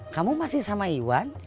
kamu masih sama iwan